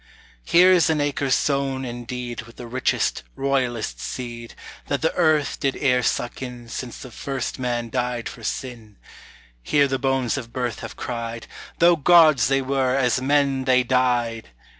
Here's an acre sown indeed With the richest royallest seed That the earth did e'er suck in Since the first man died for sin: Here the bones of birth have cried "Though gods they were, as men they died!"